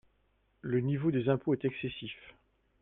Le niveau des impôts est excessif.